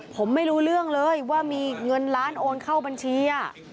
ผมไม่รู้เรื่องเลยว่ามีเงินล้านโอนเข้าบัญชี